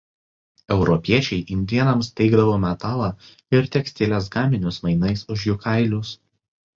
Europiečiai indėnams teikdavo metalą ir tekstilės gaminius mainais už jų kailius.